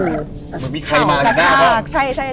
มันมีใครมาอยู่หน้าห้อง